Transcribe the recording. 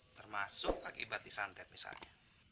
termasuk akibat disantet misalnya